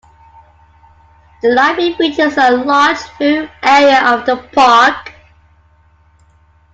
The library features a large viewing area of the park.